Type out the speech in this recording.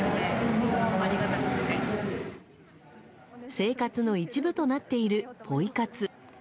生活の一部となっているポイ活。